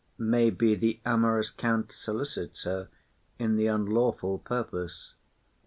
Maybe the amorous count solicits her In the unlawful purpose.